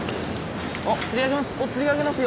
おっつり上げます！